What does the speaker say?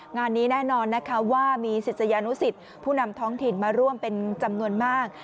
งานนี้แน่นอนนะคะว่ามีศิษยานุสิตผู้นำท้องถิ่นมาร่วมเป็นจำนวนมาก